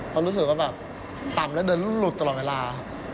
เพราะรู้สึกว่าแบบต่ำแล้วเดินหลุดตลอดเวลาครับ